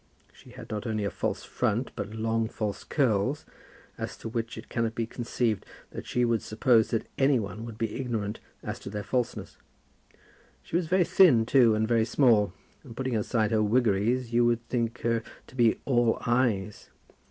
She had not only a false front, but long false curls, as to which it cannot be conceived that she would suppose that any one would be ignorant as to their falseness. She was very thin, too, and very small, and putting aside her wiggeries, you would think her to be all eyes.